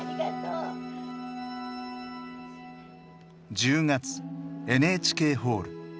１０月ＮＨＫホール。